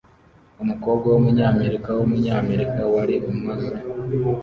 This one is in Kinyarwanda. Umukobwa wumunyamerika wumunyamerika wari umaze